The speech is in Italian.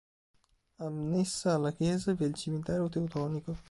Annessa alla chiesa vi è il Cimitero Teutonico.